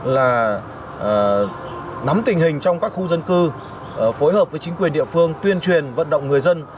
là nắm tình hình trong các khu dân cư phối hợp với chính quyền địa phương tuyên truyền vận động người dân